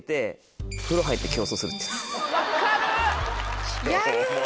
分かる！